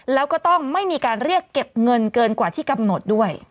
แล้วก็ต้องไม่มีการเรียกเก็บเงินเกินกว่าที่กำหนดด้วย